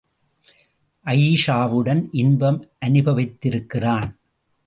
அயீஷாவுடன் இன்பம் அனுபவித்திருக்கிறான்.